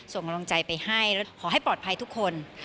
ส่งกำลังใจไปให้แล้วขอให้ปลอดภัยทุกคน